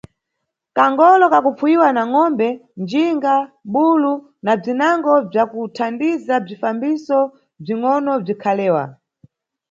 Kangolo ka kupfuwidwa na ngʼombe, njinga, bulu, na bzinango bzakuthandiza bzifambiso bzingʼono bzikhalewa.